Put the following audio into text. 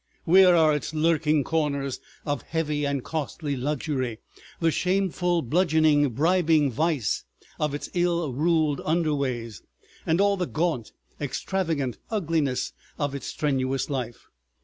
Where are its lurking corners of heavy and costly luxury, the shameful bludgeoning bribing vice of its ill ruled underways, and all the gaunt extravagant ugliness of its strenuous life?